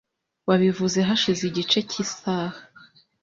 Wabivuze hashize igice cyisaha .